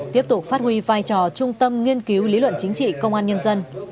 tiếp tục phát huy vai trò trung tâm nghiên cứu lý luận chính trị công an nhân dân